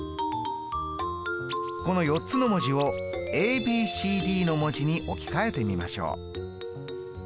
この４つの文字をｂｃｄの文字に置き換えてみましょう。